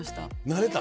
慣れた？